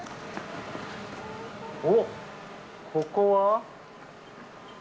おっ、ここは？